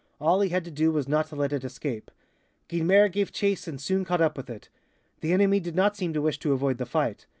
All he had to do was not to let it escape. Guynemer gave chase and soon caught up with it. The enemy did not seem to wish to avoid the fight.